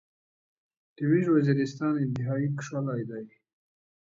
دې ميژ وزيرستان انتهایی کوشلاي داي